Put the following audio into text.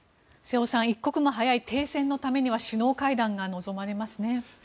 瀬尾さん一刻も早い停戦のためには首脳会談が望まれますね。